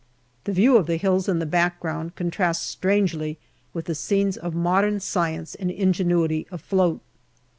The view of the hills in the background contrasts strangely with the scenes of modern science and ingenuity afloat.